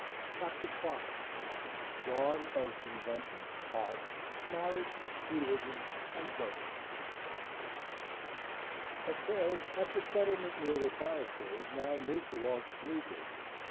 CHAPTER V DAWN OF INVENTION, ART, MARRIAGE, RELIGION AND GOVERNMENT Affairs at the settlement near the fire cave now moved along smoothly.